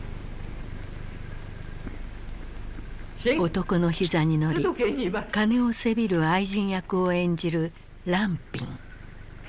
男の膝に乗り金をせびる愛人役を演じる藍蘋。